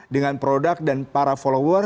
dengan produk dan para follower